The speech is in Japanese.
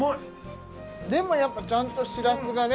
でもやっぱちゃんとしらすがね